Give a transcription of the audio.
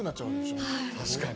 確かに。